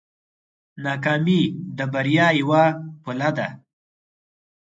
ناکامي د بریا یوه پله ده.